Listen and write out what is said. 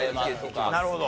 なるほど。